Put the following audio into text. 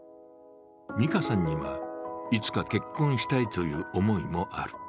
美花さんには、いつか結婚したいという思いもある。